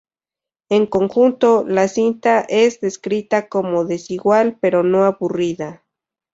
En conjunto, la cinta es descrita como "desigual, pero no aburrida".